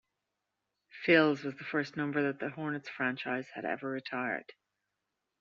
Phills was the first number that the Hornets franchise had ever retired.